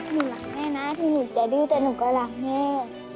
หนูรักแม่นะที่หนูจะดื้อแต่หนูก็รักแม่